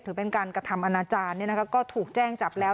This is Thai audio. ถือเป็นการกระทำอนาจารย์ก็ถูกแจ้งจับแล้ว